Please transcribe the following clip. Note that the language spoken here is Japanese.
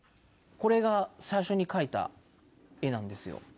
これが最初に描いた絵なんですよ。